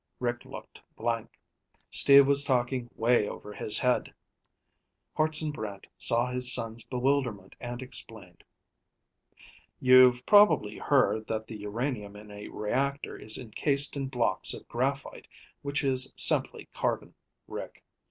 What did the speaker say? Rick looked blank. Steve was talking way over his head. Hartson Brant saw his son's bewilderment and explained: "You've probably heard that the uranium in a reactor is encased in blocks of graphite, which is simply carbon, Rick.